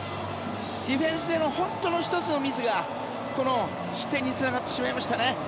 ディフェンスの本当の１つのミスがこの失点につながってしまいましたね。